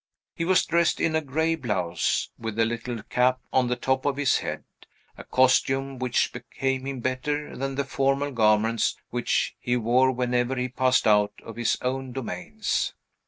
He was dressed in a gray blouse, with a little cap on the top of his head; a costume which became him better than the formal garments which he wore whenever he passed out of his own domains.